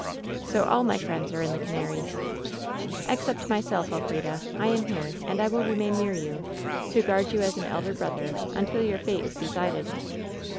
" 'So all my friends are in the Canaries 1' " 'Except myself, Elfrida. I am here, and I will re main near you, to guard you as an elder brother, until your fate is decided.'